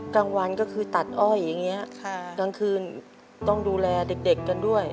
กลางวันก็คือตัดอ้อยอย่างนี้กลางคืนต้องดูแลเด็กกันด้วย